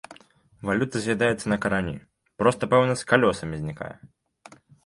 Валюта з'ядаецца на корані, проста, пэўна, з калёсамі знікае.